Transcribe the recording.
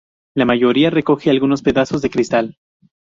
La mayoría recoge algunos pedazos de cristal.